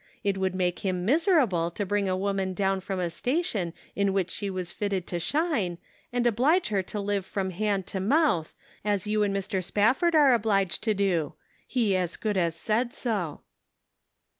It would make him miserable to bring a woman down from a station in which she was fitted to shine, and oblige her to live from hand to mouth, as you and Mr. Spafford are obliged to do. He as good as said so."